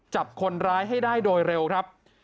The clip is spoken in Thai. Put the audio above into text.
จับคนร้ายให้ได้โดยเร็วครับ